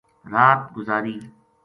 رات گزری